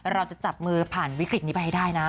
เราจะจับมือผ่านวิกฤตนี้ไปให้ได้นะ